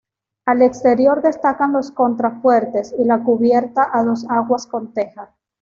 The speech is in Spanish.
Al exterior destacan los contrafuertes, y la cubierta a dos aguas con teja.